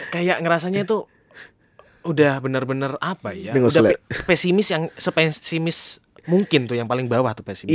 kayak ngerasanya tuh udah bener bener apa ya udah pesimis yang sepesimis mungkin tuh yang paling bawah tuh pesimis